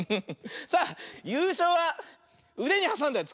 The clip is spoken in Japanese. さあゆうしょうはうでにはさんだやつ。